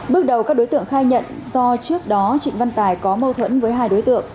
bước đầu các đối tượng khai nhận do trước đó trịnh văn tài có mâu thuẫn với hai đối tượng